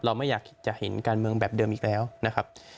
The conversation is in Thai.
ไม่อยากจะเห็นการเมืองแบบเดิมอีกแล้วนะครับ